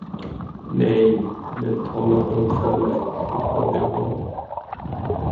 Nej, men tala om för mig, vad det var.